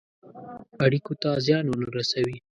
اړېکو ته زیان ونه رسوي.